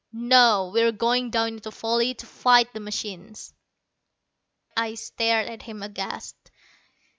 No, we're going down into the valley to fight the machines." I stared at him aghast.